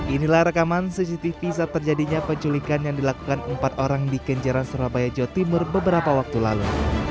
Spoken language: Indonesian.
inilah rekaman cctv saat terjadinya penculikan yang dilakukan empat orang di kenjeran surabaya jawa timur beberapa waktu lalu